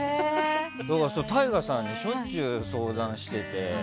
だから、ＴＡＩＧＡさんにしょっちゅう相談してて。